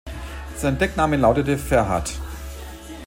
Sein Deckname lautete "Ferhat".